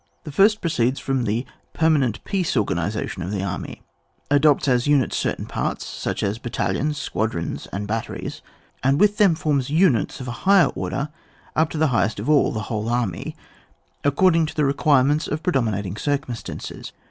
The first proceeds from the permanent peace organisation of the army ; adopts as units certain parts, such as battalions, squadrons, and bat teries, and with them forms imits of a higher order up to the highest of all, the whole army, according to the require ments of predominating circumstances.